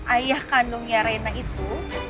ayah kandungnya rena itu